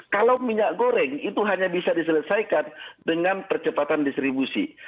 kalau minyak goreng itu hanya bisa diselesaikan dengan percepatan distribusi